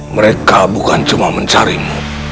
mereka bukan cuma mencarimu